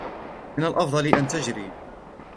من الأفضل أن تجري.